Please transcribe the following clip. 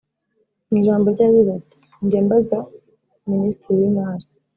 Mu ijambo rye yagize ati “Njya mbaza minisitiri w’Imari